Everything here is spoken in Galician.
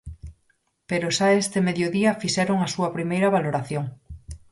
Pero xa este mediodía fixeron a súa primeira valoración.